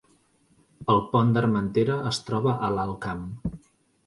El Pont d’Armentera es troba a l’Alt Camp